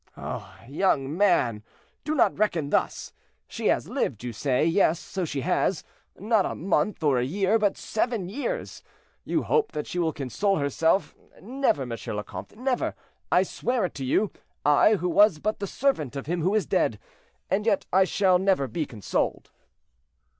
"Oh! young man, do not reckon thus. She has lived, you say; yes, so she has, not a month, or a year, but seven years. You hope that she will console herself; never, M. le Comte, never. I swear it to you—I, who was but the servant of him who is dead, and yet I shall never be consoled."